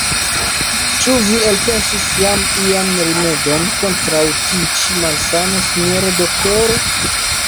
Ĉu vi elpensis jam ian rimedon kontraŭ tiu ĉi malsano, sinjoro doktoro?